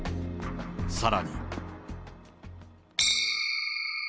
さらに。